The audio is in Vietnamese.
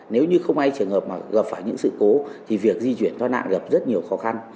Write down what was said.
nếu như không ai trường hợp mà gặp phải những sự cố thì việc di chuyển thoát nạn gặp rất nhiều khó khăn